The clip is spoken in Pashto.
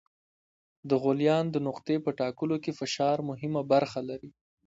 د غلیان د نقطې په ټاکلو کې فشار مهمه برخه لري.